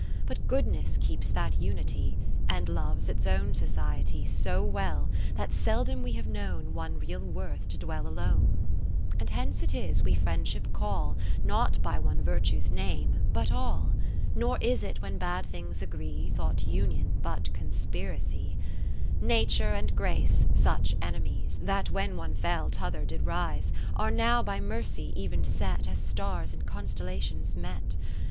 VI But goodness keeps that unity, 21 And loves its own society So well, that seldom we have known One real worth to dwell alone. VII And hence it is we Friendship call Not by one virtue's name, but all. Nor is it when bad things agree Thought union, but conspiracy, (563) o VIII Nature and Grace, such enemies, That when one fell t' other did rise, Are now by Mercy even set, 31 As stars in constellations met.